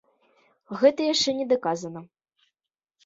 Гэта яшчэ не даказана.